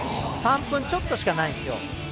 ３分ちょっとしかないんですよ。